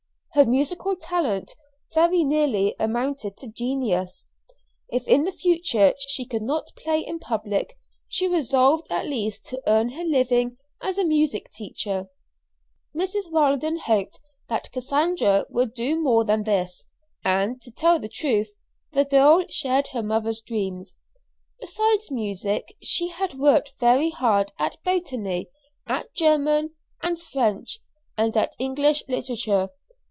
Her musical talent very nearly amounted to genius. If in the future she could not play in public, she resolved at least to earn her living as a music teacher. Mrs. Weldon hoped that Cassandra would do more than this; and, to tell the truth, the girl shared her mother's dreams. Besides music, she had worked very hard at botany, at French and German, and at English literature.